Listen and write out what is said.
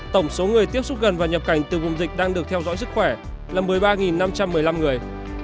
tổng số người tiếp xúc gần và nhập cảnh từ vùng dịch đang được theo dõi sức khỏe là một mươi ba năm trăm một mươi năm người